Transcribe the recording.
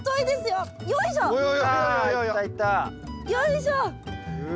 よいしょ！わ！